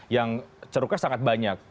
yang ceruknya sangat banyak